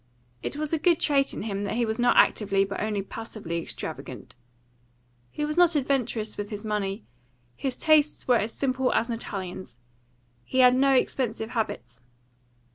It was a good trait in him that he was not actively but only passively extravagant. He was not adventurous with his money; his tastes were as simple as an Italian's; he had no expensive habits.